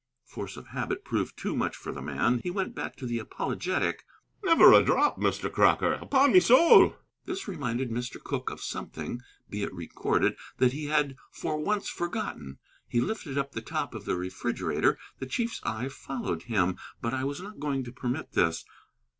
Force of habit proved too much for the man. He went back to the apologetic. "Never a drop, Mr. Crocker. Upon me soul!" This reminded Mr. Cooke of something (be it recorded) that he had for once forgotten. He lifted up the top of the refrigerator. The chief's eye followed him. But I was not going to permit this.